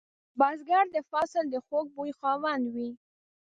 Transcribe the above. بزګر د فصل د خوږ بوی خاوند وي